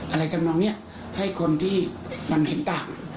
อะไรจะมาอย่างนี้ให้คนที่มันเห็นตาม